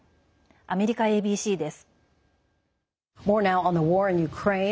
アメリカＡＢＣです。